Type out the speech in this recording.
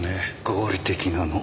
合理的なの。